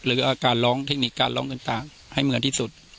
การร้องเทคนิคการร้องต่างให้เหมือนที่สุด